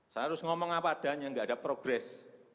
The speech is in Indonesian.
saya harus ngomong apa adanya nggak ada progres